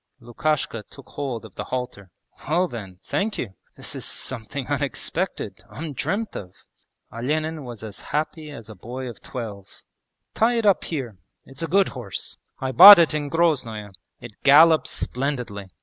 Lukashka took hold of the halter. 'Well then, thank you! This is something unexpected, undreamt of.' Olenin was as happy as a boy of twelve. 'Tie it up here. It's a good horse. I bought it in Groznoe; it gallops splendidly!